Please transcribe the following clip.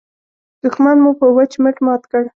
دوښمن مو په وچ مټ مات کړ.